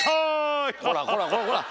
こらこらこらこら。